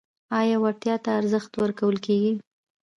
آیا وړتیا ته ارزښت ورکول کیږي؟